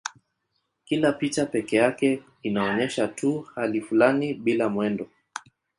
Kila picha pekee yake inaonyesha tu hali fulani bila mwendo.